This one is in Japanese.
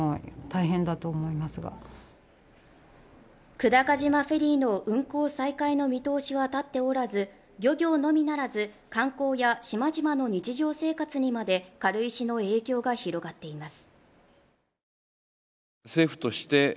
久高島フェリーの運航再開の見通しは立っておらず漁業のみならず観光や島々の日常生活にまで軽石の影響が広がっています